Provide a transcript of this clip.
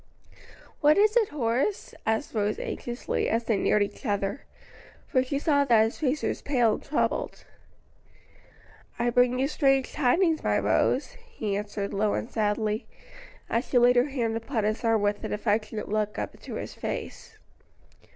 "What is it, Horace?" asked Rose anxiously, as they neared each other; for she saw that his face was pale and troubled. "I bring you strange tidings, my Rose," he answered low and sadly, as she laid her hand upon his arm with an affectionate look up into his face.